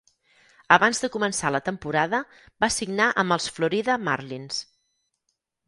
Abans de començar la temporada, va signar amb els Florida Marlins.